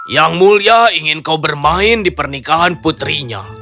yang mulia ingin kau bermain di pernikahan putrinya